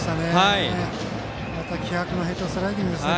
また気迫のヘッドスライディングですね